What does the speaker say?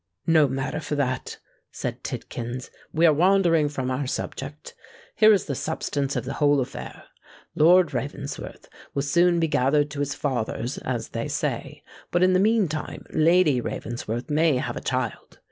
"No matter for that," said Tidkins: "we are wandering from our subject. Here is the substance of the whole affair:—Lord Ravensworth will soon be gathered to his fathers, as they say: but in the meantime Lady Ravensworth may have a child.